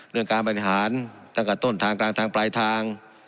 เรื่องการบริหารตั้งแต่ต้นทางกลางทางปลายทาง